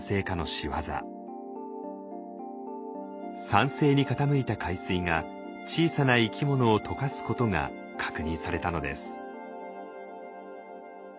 酸性に傾いた海水が小さな生き物を溶かすことが確認されたのです。